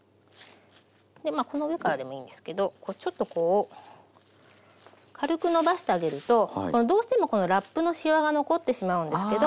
まあこの上からでもいいんですけどちょっとこう軽くのばしてあげるとこのどうしてもこのラップのしわが残ってしまうんですけど。